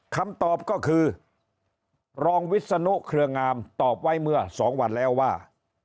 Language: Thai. คำตอบก็คือรองวิศนุเครืองามตอบไว้เมื่อ๒วันแล้วว่า